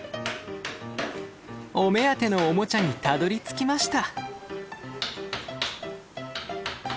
お目当てのオモチャにたどりつきました。